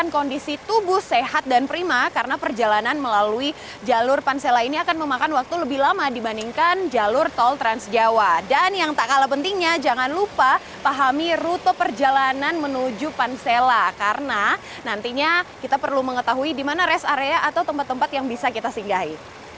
karena nantinya kita perlu mengetahui di mana rest area atau tempat tempat yang bisa kita singgahi